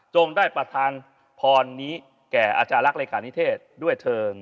ได้ประธานพรนี้แก่อาจารย์ลักษ์เลขานิเทศด้วยเทิง